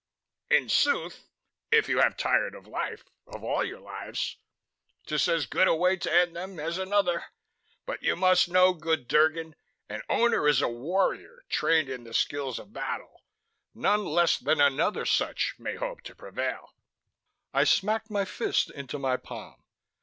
"In sooth ... if you have tired of life of all your lives; 'tis as good a way to end them as another. But you must know, good Drgon: an Owner is a warrior trained in the skills of battle. None less than another such may hope to prevail." I smacked my fist into my palm.